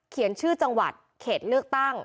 ชื่อจังหวัดเขตเลือกตั้ง